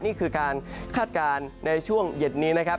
นี่คือการคาดการณ์ในช่วงเย็นนี้นะครับ